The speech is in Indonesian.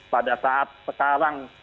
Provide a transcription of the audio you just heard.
pada saat sekarang